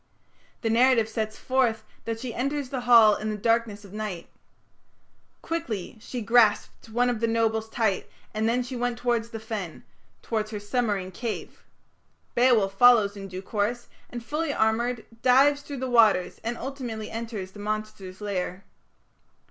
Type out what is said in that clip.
The narrative sets forth that she enters the Hall in the darkness of night. "Quickly she grasped one of the nobles tight, and then she went towards the fen", towards her submarine cave. Beowulf follows in due course, and, fully armoured, dives through the waters and ultimately enters the monster's lair.